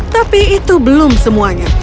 tapi itu belum semuanya